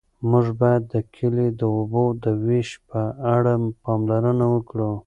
موږ باید د کلي د اوبو د وېش په اړه پاملرنه وکړو.